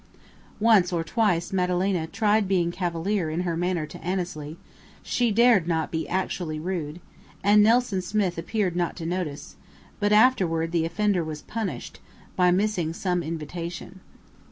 Once or twice Madalena tried being cavalier in her manner to Annesley (she dared not be actually rude); and Nelson Smith appeared not to notice; but afterward the offender was punished by missing some invitation.